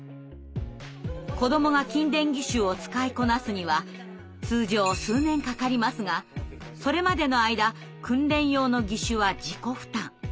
子どもが筋電義手を使いこなすには通常数年かかりますがそれまでの間訓練用の義手は自己負担。